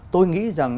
tôi nghĩ rằng